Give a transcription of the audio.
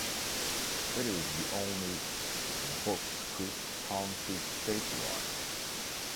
It is the only Bokescreek Township statewide.